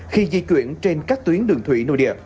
khi di chuyển trên các tuyến đường thủy